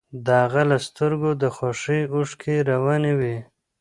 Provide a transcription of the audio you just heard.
د هغه له سترګو د خوښۍ اوښکې روانې وې